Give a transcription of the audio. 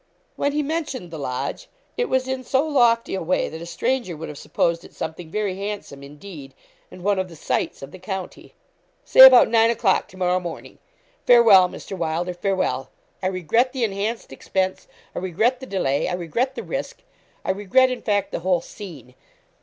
When he mentioned the Lodge, it was in so lofty a way that a stranger would have supposed it something very handsome indeed, and one of the sights of the county. 'Say, about nine o'clock to morrow morning. Farewell, Mr. Wylder, farewell. I regret the enhanced expense I regret the delay I regret the risk I regret, in fact, the whole scene.